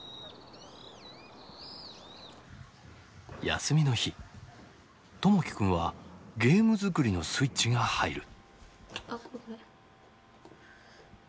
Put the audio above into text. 休みの日友輝くんはゲーム作りのスイッチが入る。